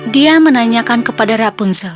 dia menanyakan kepada rapunzel